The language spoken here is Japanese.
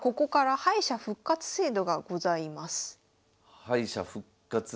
敗者復活で。